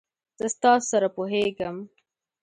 زه ستاسو سره پوهیږم.